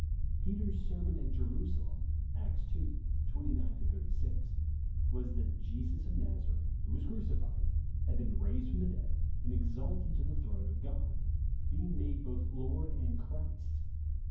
Peter's sermon at Jerusalem (Acts ii. 29 36) was that Jesus of Nazareth, who v/as crucified, had been raised from the dead and exalted to the throne of God, being made both Lord and Christ.